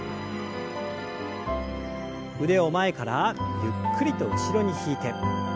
腕を前からゆっくりと後ろに引いて。